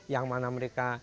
yang mana mereka